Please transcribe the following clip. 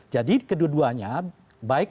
jadi keduanya baik